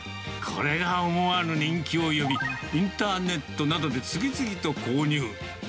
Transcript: これが思わぬ人気を呼び、インターネットなどで次々と購入。